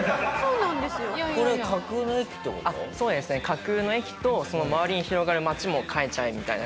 架空の駅とその周りに広がる町も描いちゃえみたいな感じで。